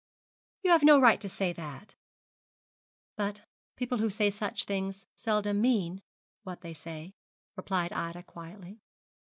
'You have no right to say that; but people who say such things seldom mean what they say,' replied Ida, quietly.